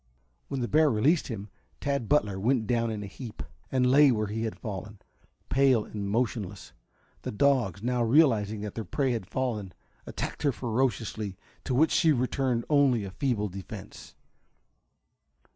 When the bear released him Tad Butler went down in a heap, and lay where he had fallen, pale and motionless. The dogs, now realizing that their prey had fallen, attacked her ferociously, to which she returned only a feeble defense.